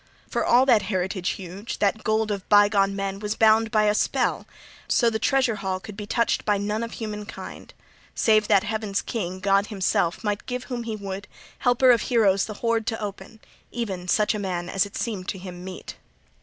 For all that heritage huge, that gold of bygone men, was bound by a spell, {39e} so the treasure hall could be touched by none of human kind, save that Heaven's King, God himself, might give whom he would, Helper of Heroes, the hoard to open, even such a man as seemed to him meet.